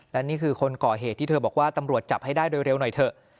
และนี่คือคนก่อเหตุที่เธอบอกว่าตำรวจจับให้ได้โดยเร็วหน่อยเถอะ